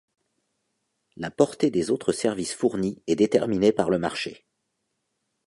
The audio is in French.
La portée des autres services fournis est déterminée par le marché.